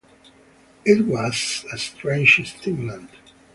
It was a strange stimulant.